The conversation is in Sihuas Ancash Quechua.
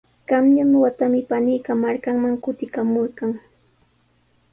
Qanyan watami paniiqa markanman kutikamurqan.